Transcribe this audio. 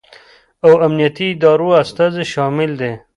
او امنیتي ادارو استازي شامل دي